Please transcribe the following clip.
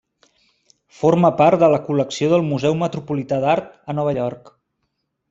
Forma part de la col·lecció del Museu Metropolità d'Art a Nova York.